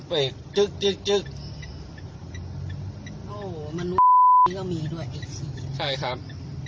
เป็นจึกจึกจึกโอ้โหมันนี่ก็มีด้วยอีกสิใช่ครับ